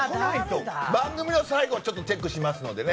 番組の最後にチェックしますのでね。